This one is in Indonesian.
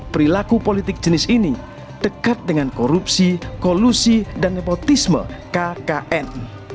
perilaku politik jenis ini dekat dengan korupsi kolusi dan nepotisme kkn